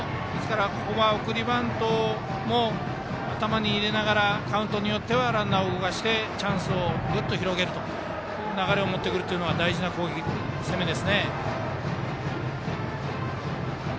ここは送りバントを頭に入れながらカウントによってはランナーを動かしてチャンスをぐっと広げる流れを持ってくるのというのは大事な攻めですね。